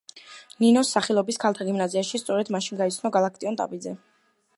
ნინოს სახელობის ქალთა გიმნაზიაში, სწორედ მაშინ გაიცნო გალაკტიონ ტაბიძე.